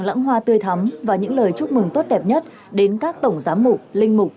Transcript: lãng hoa tươi thắm và những lời chúc mừng tốt đẹp nhất đến các tổng giám mục linh mục